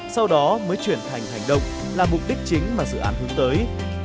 sau đó mới chuyển thành hành động là mục đích chính mà dự án hướng tới